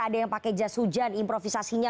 ada yang pakai jas hujan improvisasinya